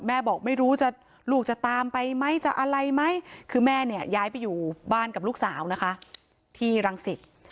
บอกไม่รู้จะลูกจะตามไปไหมจะอะไรไหมคือแม่เนี่ยย้ายไปอยู่บ้านกับลูกสาวนะคะที่รังสิต